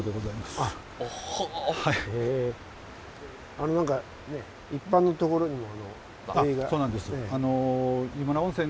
あの何か一般のところにも。